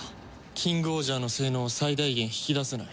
キングオージャーの性能を最大限引き出せない。